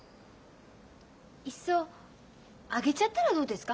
いっそあげちゃったらどうですか？